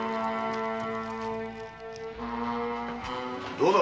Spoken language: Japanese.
どうだ？